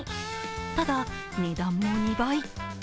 ただ、値段も２倍。